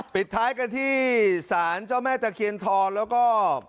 ปิดท้ายกันที่สารเจ้าแม่ตะเคียนทองแล้วก็